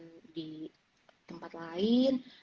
yang di tempat lain